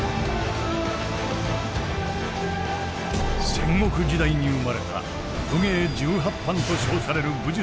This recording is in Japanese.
戦国時代に生まれた「武芸十八般」と称される武術の数々。